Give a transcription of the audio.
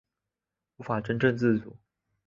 无法真正自主